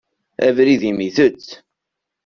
Abrid-im itett.